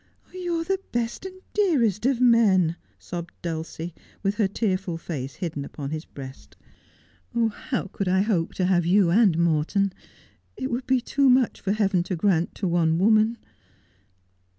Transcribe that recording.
' You are the best and clearest of men,' sobbed Dulcie, with her tearful face hidden upon his breast. ' How could I hope to Dulcie Sacrifices Herself. 159 have you and Morton ? It would be too much for heaven to grant to one woman.'